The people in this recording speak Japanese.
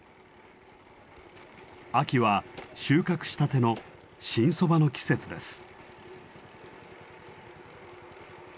秋は収穫したての新そばの季節です。